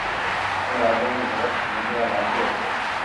ھين راجا ني غلط ھمجوا لاگيو